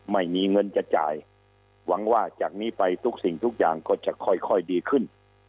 ไม่มีเงินจะจ่ายหวังว่าจากนี้ไปทุกสิ่งทุกอย่างก็จะค่อยดีขึ้น